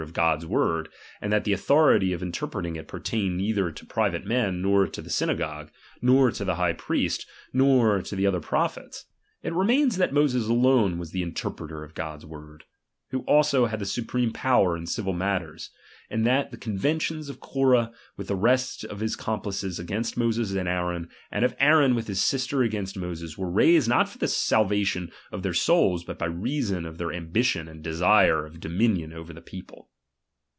241 of God's word, aud that the authority of interpret c ing it pertained neither to private men, nor to the synagogue, nor to the high pr'iest, nor to other prophets ; it remains that Moses alone was the interpreter of Gocfs word, who also had the su preme power in civil matters ; and that the con ventions of Corah with the rest of his complices against Moses and Aaron, and of Aaron with his sister against Moses, were raised, not for the salva tion of their souls, but by reason of their ambition and desire of dominion over the people.